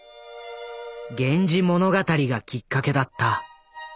「源氏物語」がきっかけだった。